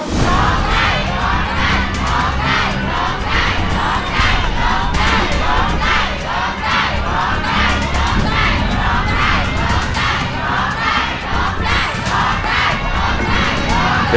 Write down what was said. โชคใจโชคใจ